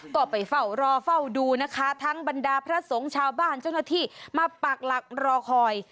ก็ไปเฝ้ารอเฝ้าดูนะคะทั้งบรรดาพระสงฆ์ชาวบ้านเจ้าหน้าที่มาปากหลักรอคอย